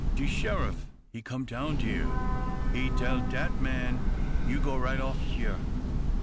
"De sheriff, he come down dere. He tell dat man, 'You go right off he'yr.